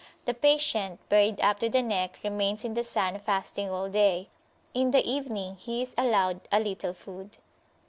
The patient, buried up to the neck, remains in the sun fasting all day; in the evening he is allowed a little food.